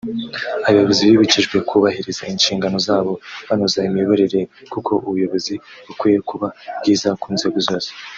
Abayobozi bibukijwe kubahiriza inshingano zabo banoza imiyoborere kuko ubuyobozi bukwiye kuba bwiza ku nzego zose